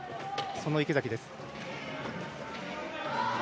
その池崎です。